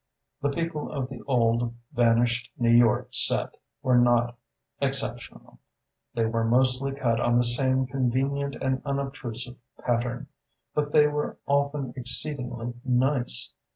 The people of the old vanished New York set were not exceptional: they were mostly cut on the same convenient and unobtrusive pattern; but they were often exceedingly "nice."